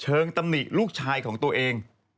เชิงตำนิดลูกชายของตัวเอง